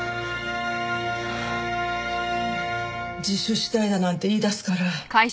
自首したいだなんて言いだすから。